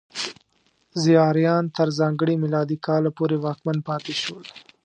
زیاریان تر ځانګړي میلادي کاله پورې واکمن پاتې شول.